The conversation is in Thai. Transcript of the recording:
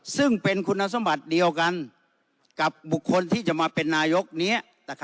ซึ่งเป็นคุณสมบัติเดียวกันกับบุคคลที่จะมาเป็นนายกนี้